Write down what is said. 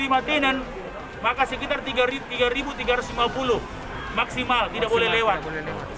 maka tiga tiga ratus lima puluh maksimal tidak boleh lewat